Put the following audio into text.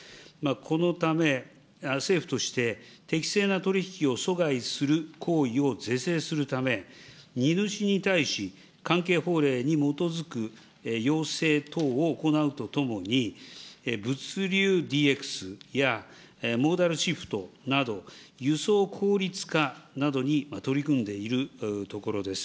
このため政府として、適正な取り引きを阻害する行為を是正するため、荷主に対し、関係法令に基づく要請等を行うとともに、物流ＤＸやモーダルシフトなど、輸送効率化などに取り組んでいるところです。